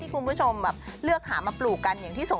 คุณผู้ชมแบบเลือกหามาปลูกกันอย่างที่ส่ง